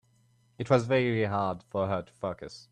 It was very hard for her to focus.